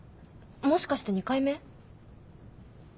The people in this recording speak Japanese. もしかして２回目？